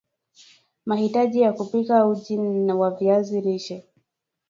mahitaji ya kupika uji wa viazi lishe